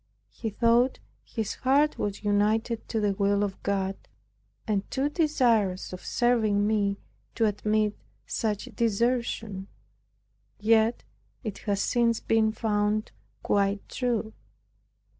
He thought his heart was united to the will of God and too desirous of serving me, to admit such desertion; yet it has since been found quite true.